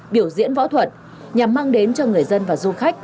biểu diễn võ thuật nhằm mang đến cho người dân và du khách